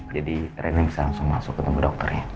jadi rena bisa langsung masuk ketemu dokternya